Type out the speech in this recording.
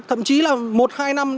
thậm chí là một hai năm